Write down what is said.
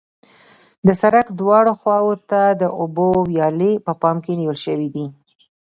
د سرک دواړو خواو ته د اوبو ویالې په پام کې نیول شوې دي